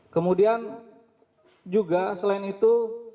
kemudian juga selain itu